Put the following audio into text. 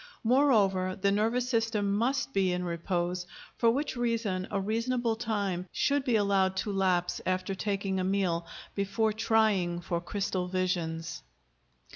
Moreover the nervous system must be in repose, for which reason a reasonable time should be allowed to lapse after taking a meal, before trying for crystal visions.